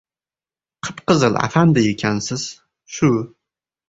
Qip- qizil Afandi ekansiz! Shu!